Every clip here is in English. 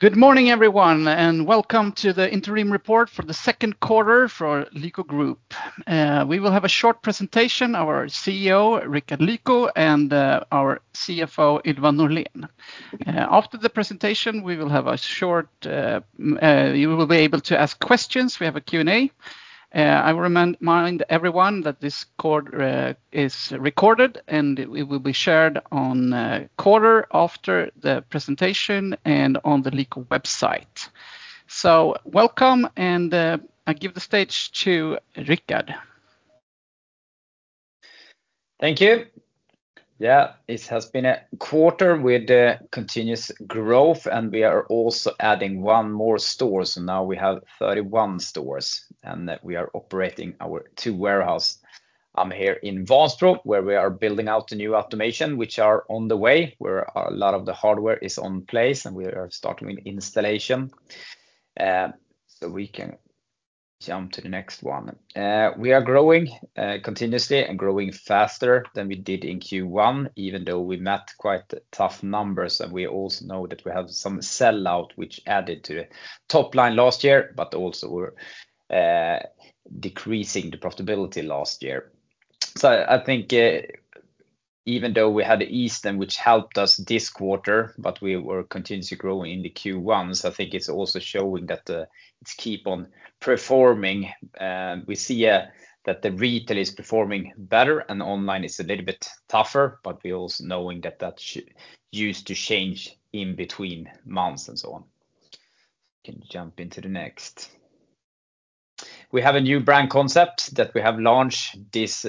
Good morning, everyone, and welcome to the interim report for the second quarter for Lyko Group. We will have a short presentation, our CEO, Rickard Lyko, and our CFO, Ylva Norlén. After the presentation, we will have a short, you will be able to ask questions. We have a Q&A. I will remind everyone that this call is recorded, and it will be shared on quarter after the presentation and on the Lyko website. So welcome, and I give the stage to Rickard. Thank you. Yeah, it has been a quarter with continuous growth, and we are also adding one more store. So now we have 31 stores, and we are operating our two warehouses. I'm here in Västerås, where we are building out the new automation, which are on the way, where a lot of the hardware is in place, and we are starting with installation. So we can jump to the next one. We are growing continuously and growing faster than we did in Q1, even though we met quite tough numbers, and we also know that we have some sell-out which added to top line last year, but also we're decreasing the profitability last year. So I think, even though we had the Easter, which helped us this quarter, but we were continuously growing in the Q1. So I think it's also showing that it's keep on performing. We see that the retail is performing better and online is a little bit tougher, but we're also knowing that that used to change in between months and so on. Can jump into the next. We have a new brand concept that we have launched this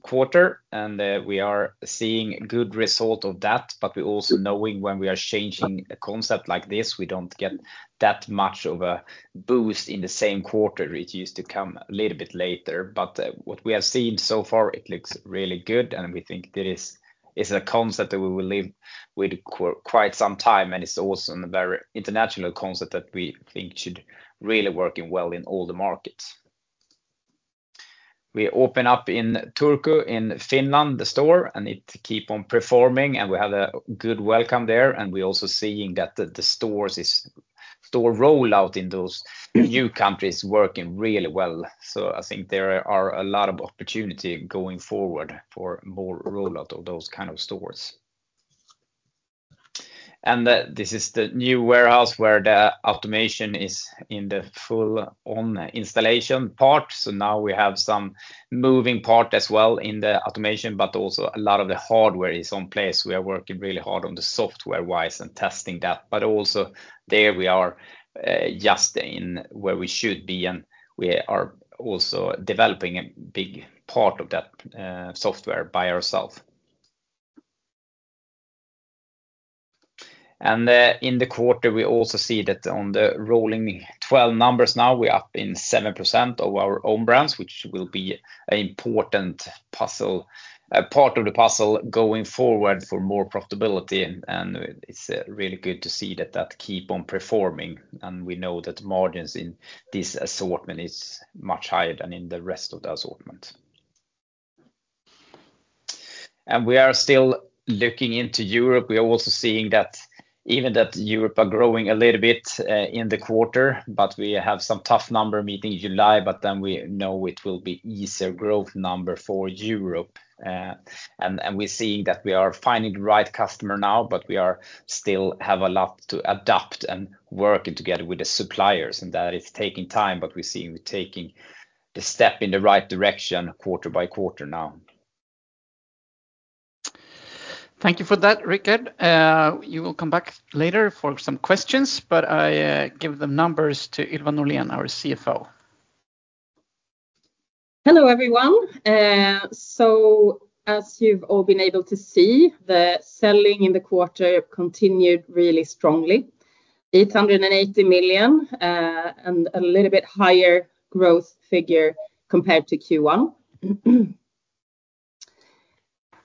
quarter, and we are seeing good result of that, but we're also knowing when we are changing a concept like this, we don't get that much of a boost in the same quarter. It used to come a little bit later. But what we have seen so far, it looks really good, and we think this is a concept that we will live with quite some time, and it's also a very international concept that we think should really working well in all the markets. We open up in Turku, in Finland, the store, and it keep on performing, and we had a good welcome there, and we're also seeing that the stores is... store rollout in those new countries working really well. So I think there are a lot of opportunity going forward for more rollout of those kind of stores. This is the new warehouse where the automation is in the full on installation part. So now we have some moving part as well in the automation, but also a lot of the hardware is on place. We are working really hard on the software-wise and testing that, but also there we are just in where we should be, and we are also developing a big part of that software by ourself. And, in the quarter, we also see that on the rolling twelve numbers now, we're up in 7% of our own brands, which will be an important puzzle, a part of the puzzle going forward for more profitability, and it's really good to see that that keep on performing, and we know that margins in this assortment is much higher than in the rest of the assortment. We are still looking into Europe. We are also seeing that even that Europe are growing a little bit in the quarter, but we have some tough number meeting in July, but then we know it will be easier growth number for Europe. We're seeing that we are finding the right customer now, but we are still have a lot to adapt and working together with the suppliers, and that is taking time, but we're seeing we're taking the step in the right direction quarter by quarter now. Thank you for that, Rickard. You will come back later for some questions, but I give the numbers to Ylva Norlén, our CFO. Hello, everyone. So as you've all been able to see, the selling in the quarter continued really strongly. 880 million, and a little bit higher growth figure compared to Q1.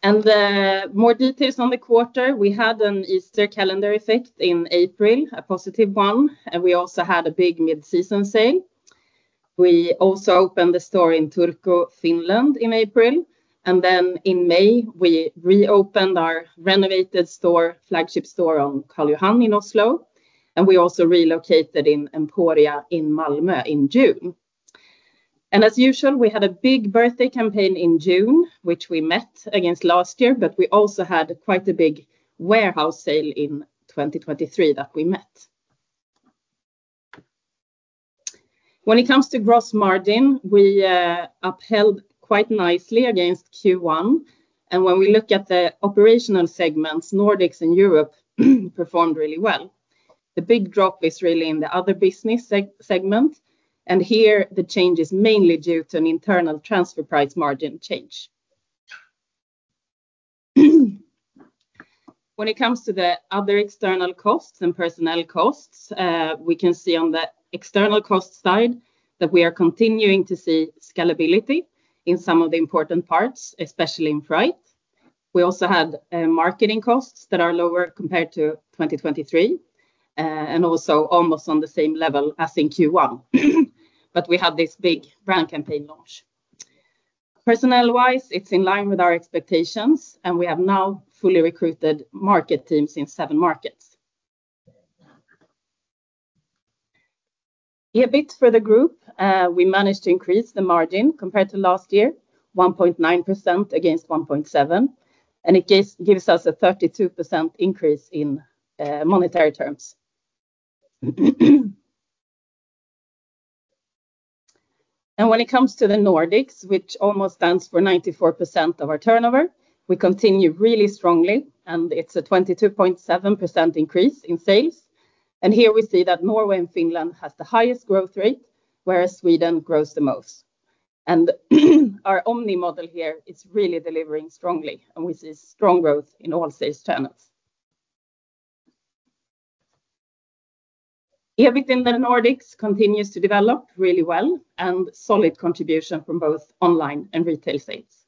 More details on the quarter, we had an Easter calendar effect in April, a positive one, and we also had a big mid-season sale. We also opened a store in Turku, Finland, in April, and then in May, we reopened our renovated store, flagship store on Karl Johan in Oslo, and we also relocated in Emporia, in Malmö, in June. As usual, we had a big birthday campaign in June, which we met against last year, but we also had quite a big warehouse sale in 2023 that we met. When it comes to gross margin, we upheld quite nicely against Q1, and when we look at the operational segments, Nordics and Europe performed really well. The big drop is really in the other business segment, and here the change is mainly due to an internal transfer price margin change. When it comes to the other external costs and personnel costs, we can see on the external cost side that we are continuing to see scalability in some of the important parts, especially in freight. We also had marketing costs that are lower compared to 2023, and also almost on the same level as in Q1. But we have this big brand campaign launch.... Personnel-wise, it's in line with our expectations, and we have now fully recruited market teams in seven markets. EBIT for the group, we managed to increase the margin compared to last year, 1.9% against 1.7%, and it gives us a 32% increase in monetary terms. When it comes to the Nordics, which almost stands for 94% of our turnover, we continue really strongly, and it's a 22.7% increase in sales. Here we see that Norway and Finland has the highest growth rate, whereas Sweden grows the most. Our omni model here is really delivering strongly, and we see strong growth in all sales channels. EBIT in the Nordics continues to develop really well, and solid contribution from both online and retail sales.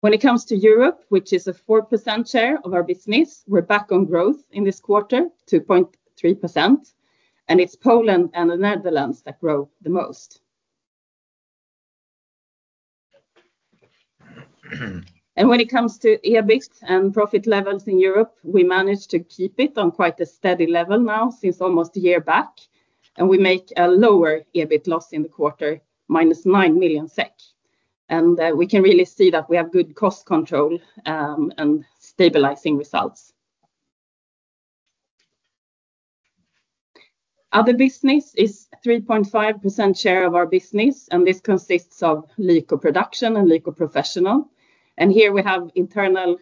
When it comes to Europe, which is a 4% share of our business, we're back on growth in this quarter, 2.3%, and it's Poland and the Netherlands that grow the most. When it comes to EBIT and profit levels in Europe, we managed to keep it on quite a steady level now since almost a year back, and we make a lower EBIT loss in the quarter, -9 million SEK. We can really see that we have good cost control and stabilizing results. Other business is a 3.5% share of our business, and this consists of Lyko Production and Lyko Professional, and here we have internal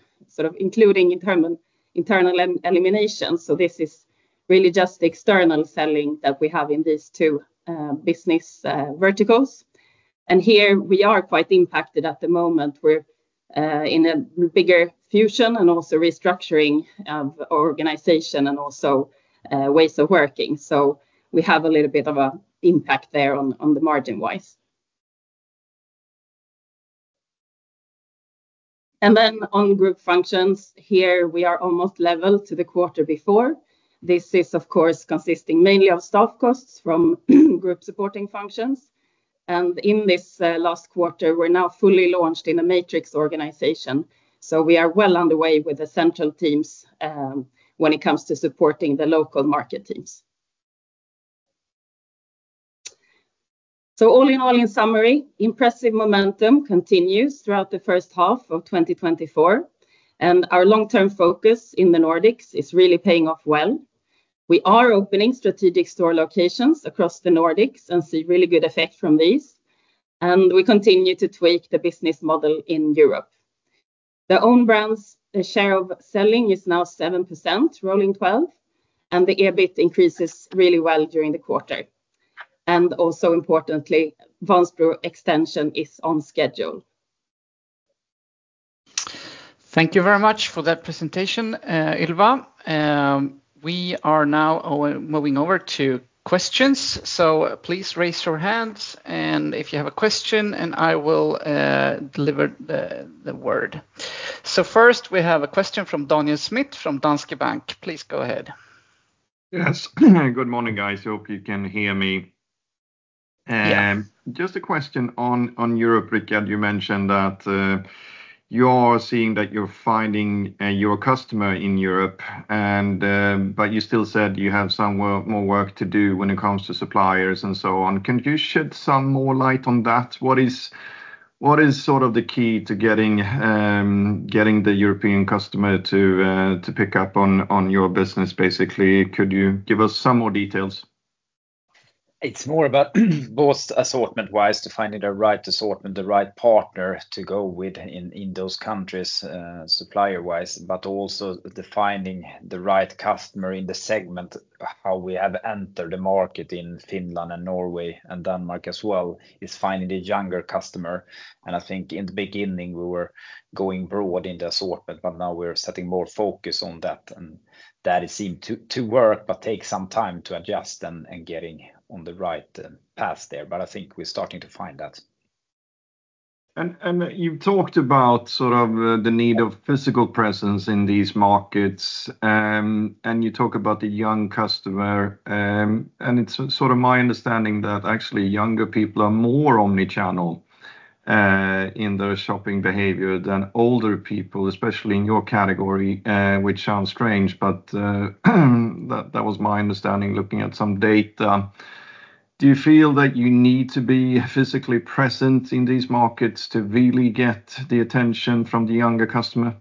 elimination, so this is really just the external selling that we have in these two business verticals. Here we are quite impacted at the moment. We're in a bigger fusion and also restructuring of our organization and also ways of working, so we have a little bit of an impact there on the margin-wise. Then on group functions, here we are almost level to the quarter before. This is, of course, consisting mainly of staff costs from group supporting functions, and in this last quarter, we're now fully launched in a matrix organization, so we are well on the way with the central teams when it comes to supporting the local market teams. So all in all, in summary, impressive momentum continues throughout the first half of 2024, and our long-term focus in the Nordics is really paying off well. We are opening strategic store locations across the Nordics and see really good effect from these, and we continue to tweak the business model in Europe. The own brands, the share of selling is now 7%, rolling 12, and the EBIT increases really well during the quarter. Also importantly, Vansbro extension is on schedule. Thank you very much for that presentation, Ylva. We are now moving over to questions, so please raise your hands, and if you have a question, and I will deliver the word. So first, we have a question from Daniel Schmidt from Danske Bank. Please go ahead. Yes. Good morning, guys. Hope you can hear me. Yes. Just a question on Europe, Rickard. You mentioned that you're seeing that you're finding your customer in Europe, but you still said you have some more work to do when it comes to suppliers and so on. Can you shed some more light on that? What is sort of the key to getting the European customer to pick up on your business, basically? Could you give us some more details? It's more about both assortment-wise, to finding the right assortment, the right partner to go with in, in those countries, supplier-wise, but also the finding the right customer in the segment. How we have entered the market in Finland and Norway and Denmark as well, is finding the younger customer, and I think in the beginning we were going broad in the assortment, but now we're setting more focus on that, and that it seemed to, to work but take some time to adjust and, and getting on the right, path there. But I think we're starting to find that. You talked about sort of, the need of physical presence in these markets, and you talk about the young customer. It's sort of my understanding that actually younger people are more omnichannel in their shopping behavior than older people, especially in your category, which sounds strange, but that was my understanding looking at some data. Do you feel that you need to be physically present in these markets to really get the attention from the younger customer?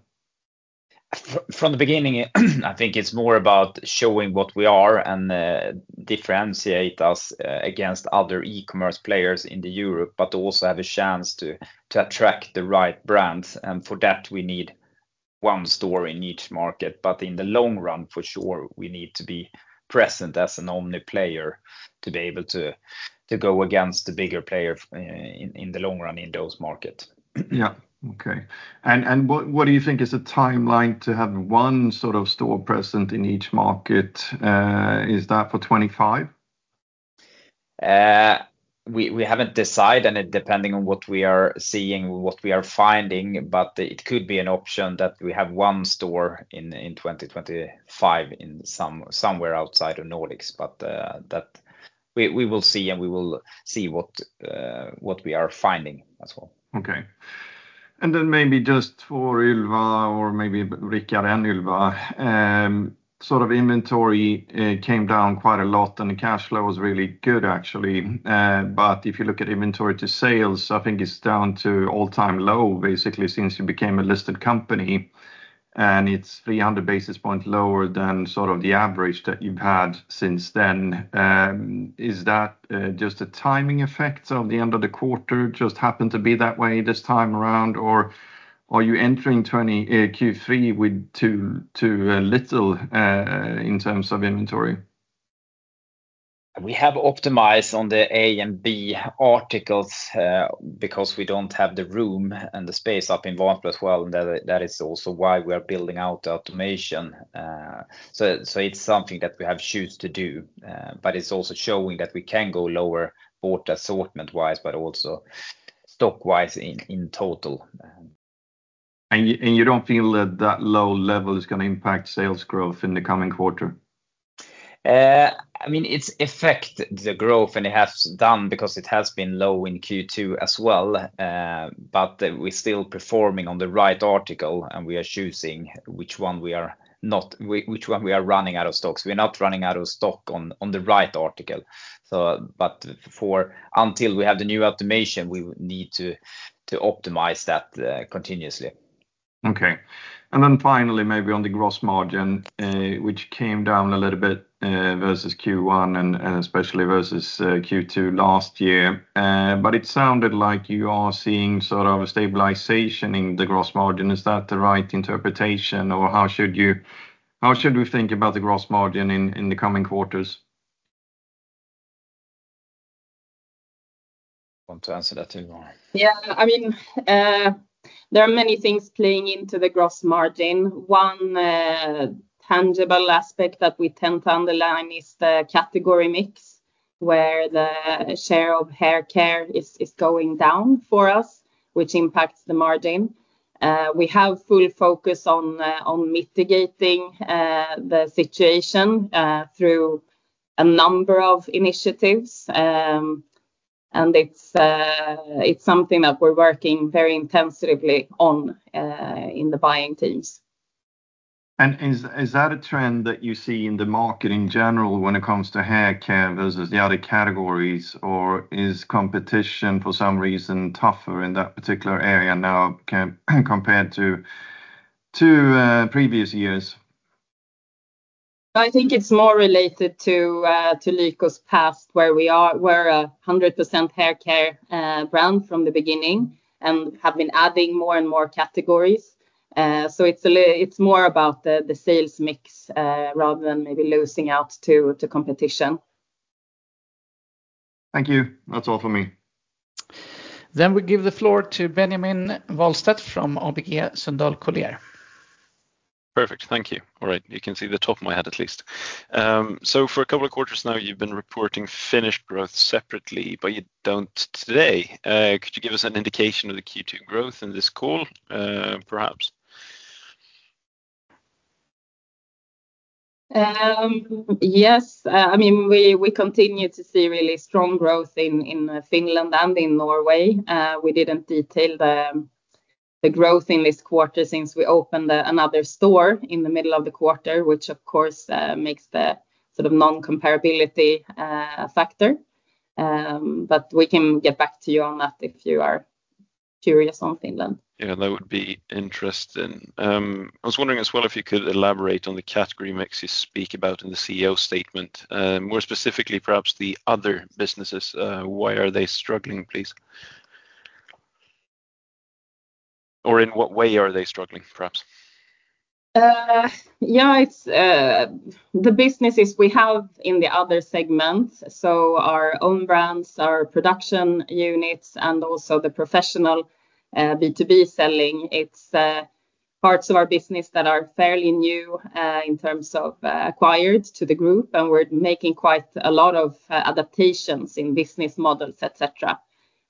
From the beginning, I think it's more about showing what we are and differentiate us against other e-commerce players in Europe, but also have a chance to attract the right brands, and for that, we need one store in each market. But in the long run, for sure, we need to be present as an omni player to be able to go against the bigger player in the long run in those markets. Yeah. Okay. And what do you think is the timeline to have one sort of store present in each market? Is that for 25? We haven't decided, and it depends on what we are seeing, what we are finding, but it could be an option that we have one store in 2025 somewhere outside of Nordics. But that we will see, and we will see what we are finding as well. Okay. Then maybe just for Ylva or maybe Rickard and Ylva, sort of inventory came down quite a lot, and the cash flow was really good, actually. If you look at inventory to sales, I think it's down to all-time low, basically, since you became a listed company, and it's 300 basis points lower than sort of the average that you've had since then. Is that just a timing effect of the end of the quarter, just happened to be that way this time around, or are you entering 2020 Q3 with too little in terms of inventory? We have optimized on the A and B articles, because we don't have the room and the space up in Vansbro as well, and that is also why we are building out automation. So it's something that we have choose to do, but it's also showing that we can go lower both assortment-wise but also stock-wise in total. You don't feel that low level is gonna impact sales growth in the coming quarter? I mean, it's affected the growth, and it has done because it has been low in Q2 as well. But we're still performing on the right article, and we are choosing which one we are not... which one we are running out of stock. We're not running out of stock on the right article, so but for, until we have the new automation, we would need to optimize that continuously. Okay, and then finally, maybe on the gross margin, which came down a little bit, versus Q1 and especially versus Q2 last year. But it sounded like you are seeing sort of a stabilization in the gross margin. Is that the right interpretation, or how should you- how should we think about the gross margin in the coming quarters? Want to answer that too, Ylva? Yeah, I mean, there are many things playing into the gross margin. One, tangible aspect that we tend to underline is the category mix, where the share of haircare is going down for us, which impacts the margin. We have full focus on mitigating the situation through a number of initiatives. And it's something that we're working very intensively on in the buying teams. Is that a trend that you see in the market in general when it comes to haircare versus the other categories, or is competition, for some reason, tougher in that particular area now compared to previous years? I think it's more related to Lyko's past, where we're a 100% haircare brand from the beginning and have been adding more and more categories. So it's more about the sales mix rather than maybe losing out to competition. Thank you. That's all for me. We give the floor to Benjamin Wahlstedt from ABG Sundal Collier. Perfect. Thank you. All right, you can see the top of my head at least. So for a couple of quarters now, you've been reporting Finnish growth separately, but you don't today. Could you give us an indication of the Q2 growth in this call, perhaps? Yes, I mean, we continue to see really strong growth in Finland and in Norway. We didn't detail the growth in this quarter since we opened another store in the middle of the quarter, which, of course, makes the sort of non-comparability factor. But we can get back to you on that if you are curious on Finland. Yeah, that would be interesting. I was wondering as well if you could elaborate on the category mix you speak about in the CEO statement, more specifically, perhaps the other businesses. Why are they struggling, please? Or in what way are they struggling, perhaps? Yeah, it's the businesses we have in the other segments, so our own brands, our production units, and also the professional B2B selling. It's parts of our business that are fairly new in terms of acquired to the group, and we're making quite a lot of adaptations in business models, et cetera.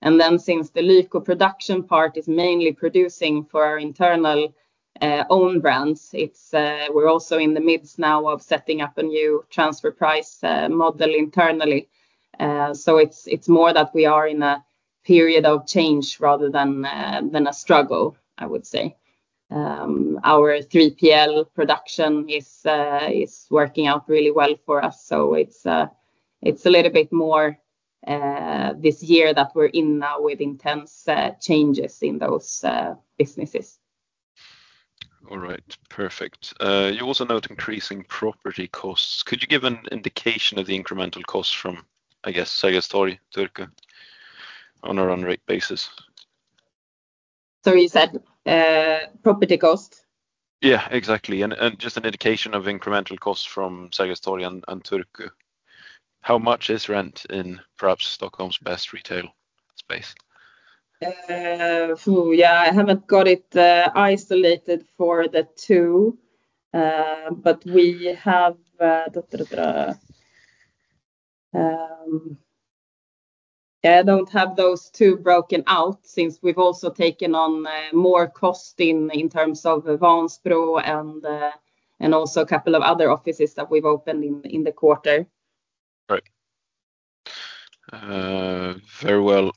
And then since the Lyko production part is mainly producing for our internal own brands, we're also in the midst now of setting up a new transfer price model internally. So it's more that we are in a period of change rather than a struggle, I would say. Our 3PL production is working out really well for us, so it's a little bit more this year that we're in now with intense changes in those businesses. All right. Perfect. You also note increasing property costs. Could you give an indication of the incremental cost from, I guess, Sergels Torg, Turku, on a run-rate basis? Sorry, you said, property cost? Yeah, exactly, and, and just an indication of incremental costs from Sergels Torg and, and Turku. How much is rent in perhaps Stockholm's best retail space? Phew! Yeah, I haven't got it isolated for the two, but we have... Yeah, I don't have those two broken out since we've also taken on more cost in terms of Vansbro and also a couple of other offices that we've opened in the quarter. Right.... Very well.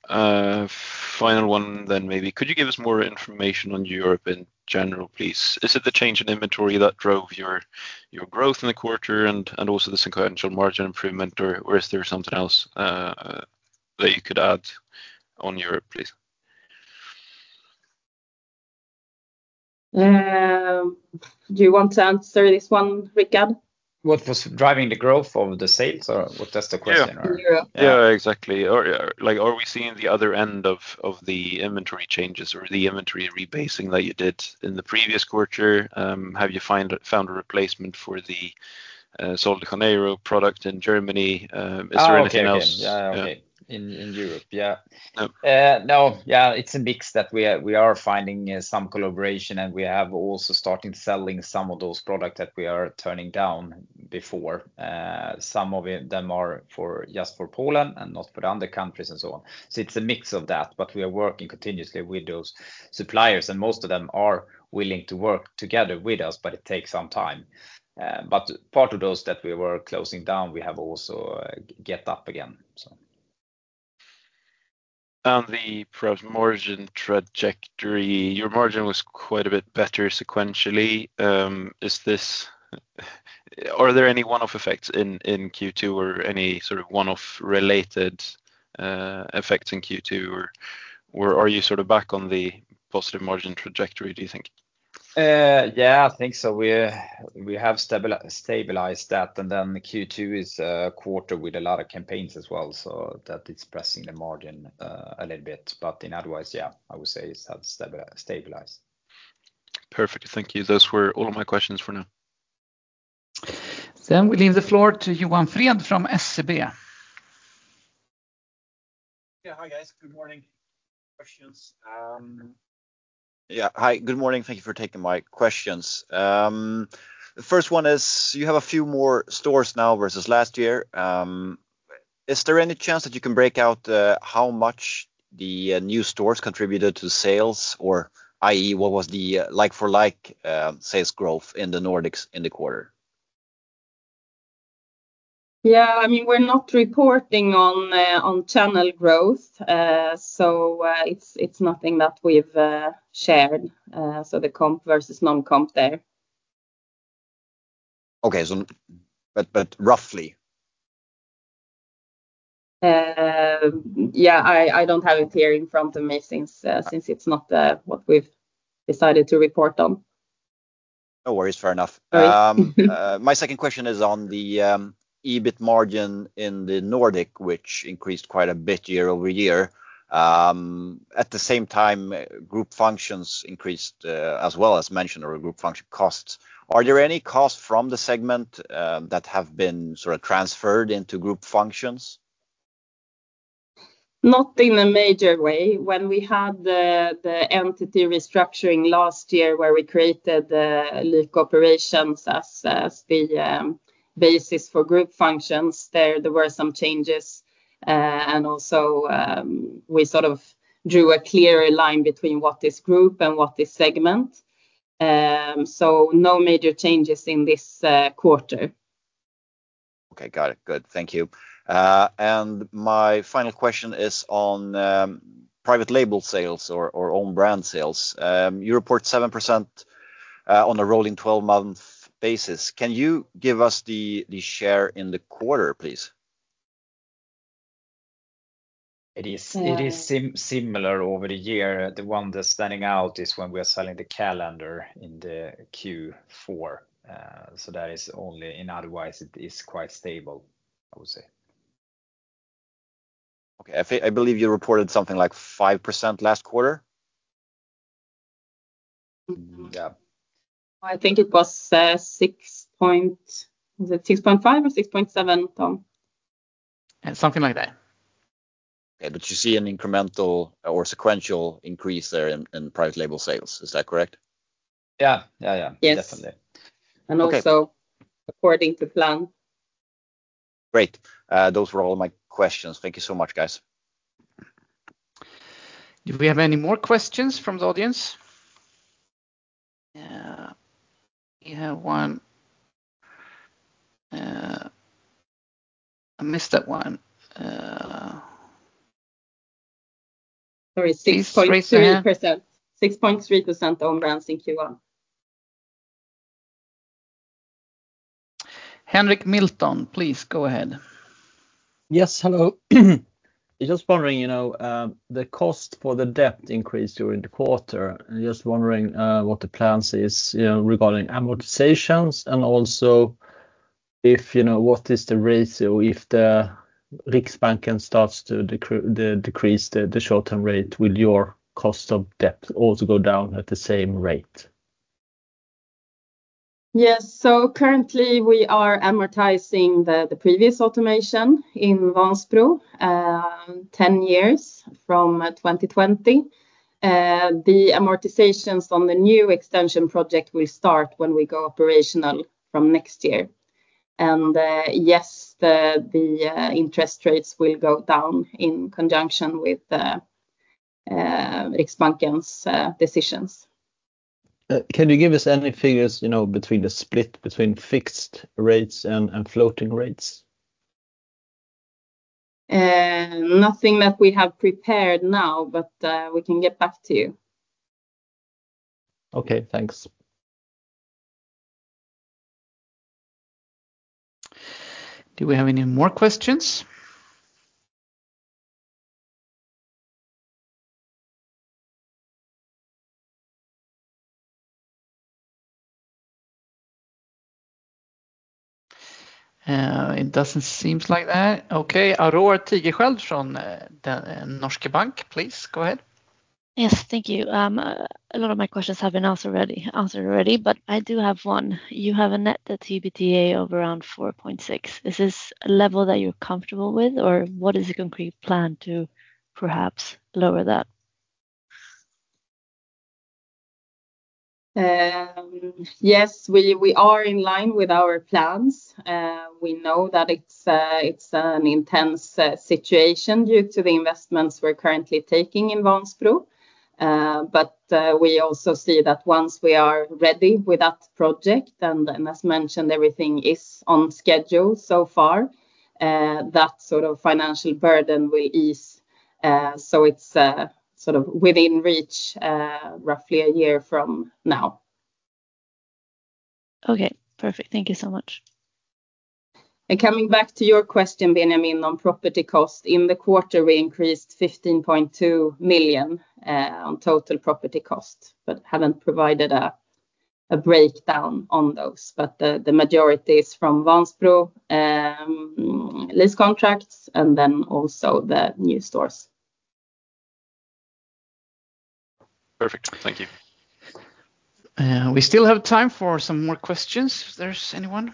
Final one then maybe: could you give us more information on Europe in general, please? Is it the change in inventory that drove your, your growth in the quarter and, and also the sequential margin improvement, or, or is there something else, that you could add on Europe, please? Do you want to answer this one, Rickard? What was driving the growth of the sales, or what is the question? Yeah, exactly. Or, like, are we seeing the other end of the inventory changes or the inventory rebasing that you did in the previous quarter? Have you found a replacement for the Sol de Janeiro product in Germany? Is there anything else? Oh, okay, okay. Yeah, okay. Yeah. No, yeah, it's a mix that we are, we are finding some collaboration, and we have also started selling some of those products that we are turning down before. Some of it, them are for just for Poland and not for other countries and so on. So it's a mix of that, but we are working continuously with those suppliers, and most of them are willing to work together with us, but it takes some time. But part of those that we were closing down, we have also get up again, so. On the pro margin trajectory, your margin was quite a bit better sequentially. Is this... Are there any one-off effects in Q2 or any sort of one-off related effects in Q2, or are you sort of back on the positive margin trajectory, do you think? Yeah, I think so. We have stabilized that, and then the Q2 is a quarter with a lot of campaigns as well, so that it's pressing the margin a little bit. But then otherwise, yeah, I would say it has stabilized. Perfect. Thank you. Those were all my questions for now. Then we leave the floor to Johan Fred from SEB. Yeah. Hi, guys. Good morning. Hi, good morning. Thank you for taking my questions. The first one is, you have a few more stores now versus last year. Is there any chance that you can break out how much the new stores contributed to sales, or i.e., what was the like-for-like sales growth in the Nordics in the quarter? Yeah, I mean, we're not reporting on channel growth, so it's nothing that we've shared, so the comp versus non-comp there. Okay, so... but roughly? Yeah, I don't have it here in front of me, since it's not what we've decided to report on. No worries, fair enough. All right. My second question is on the, EBIT margin in the Nordic, which increased quite a bit year-over-year. At the same time, group functions increased, as well, as mentioned, or group function costs. Are there any costs from the segment, that have been sort of transferred into group functions? Not in a major way. When we had the entity restructuring last year, where we created the Jysk operations] as the basis for group functions, there were some changes. And also, we sort of drew a clearer line between what is group and what is segment. No major changes in this quarter. Okay, got it. Good, thank you. And my final question is on private label sales or own brand sales. You report 7% on a rolling 12-month basis. Can you give us the share in the quarter, please? It is- Um-... it is similar over the year. The one that's standing out is when we are selling the calendar in the Q4. So that is only, and otherwise, it is quite stable, I would say. Okay. I believe you reported something like 5% last quarter? Yeah. I think it was, 6 point... Was it 6.5 or 6.7, Tom? Yeah, something like that. Okay, but you see an incremental or sequential increase there in private label sales, is that correct? Yeah. Yeah, yeah. Yes. Okay. Also according to plan. Great. Those were all my questions. Thank you so much, guys. Do we have any more questions from the audience? Yeah, we have one. I missed that one. Sorry, 6.3%.6.3% own brands in Q1. Henrik Milton, please go ahead. Yes, hello. Just wondering, you know, the cost for the debt increase during the quarter. I'm just wondering what the plans is, you know, regarding amortizations, and also if, you know, what is the ratio if the Riksbank starts to decrease the, the short-term rate. Will your cost of debt also go down at the same rate? Yes. So currently we are amortizing the previous automation in Vansbro 10 years from 2020. The amortizations on the new extension project will start when we go operational from next year. And yes, the interest rates will go down in conjunction with Riksbank's decisions. ... Can you give us any figures, you know, between the split between fixed rates and floating rates? Nothing that we have prepared now, but we can get back to you. Okay, thanks. Do we have any more questions? It doesn't seem like that. Okay, Aurore Tigerschiöld from the Nordea Bank, please go ahead. Yes, thank you. A lot of my questions have been asked already, answered already, but I do have one. You have a Net Debt to EBITDA of around 4.6. Is this a level that you're comfortable with, or what is the concrete plan to perhaps lower that? Yes, we are in line with our plans. We know that it's an intense situation due to the investments we're currently taking in Vansbro. But we also see that once we are ready with that project, and as mentioned, everything is on schedule so far, that sort of financial burden will ease. So it's sort of within reach, roughly a year from now. Okay, perfect. Thank you so much. Coming back to your question, Benjamin, on property cost, in the quarter, we increased 15.2 million on total property cost, but haven't provided a breakdown on those. But the majority is from Vansbro, lease contracts and then also the new stores. Perfect. Thank you. We still have time for some more questions, if there's anyone.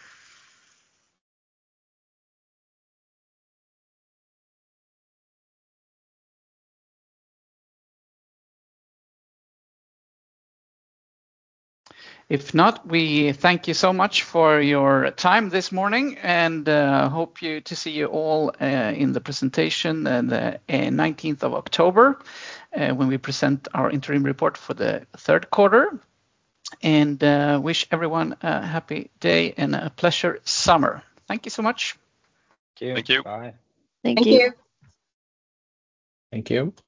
If not, we thank you so much for your time this morning, and hope you to see you all in the presentation on the nineteenth of October, when we present our interim report for the third quarter. And wish everyone a happy day and a pleasure summer. Thank you so much. Thank you. Thank you. Bye. Thank you. Thank you. Thank you.